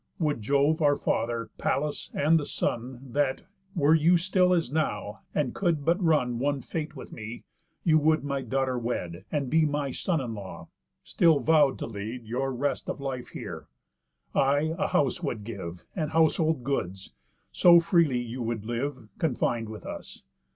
Would Jove our Father, Pallas, and the Sun, That, were you still as now, and could but run One fate with me, you would my daughter wed, And be my son in law, still vow'd to lead Your rest of life here! I a house would give, And household goods, so freely you would live, Confin'd with us.